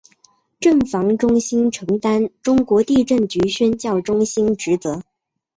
震防中心承担中国地震局宣教中心职责。